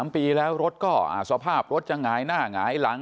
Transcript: ๓ปีแล้วรถก็สภาพรถจะหงายหน้าหงายหลัง